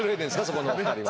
そこのお二人は。